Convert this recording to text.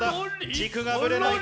軸がぶれない。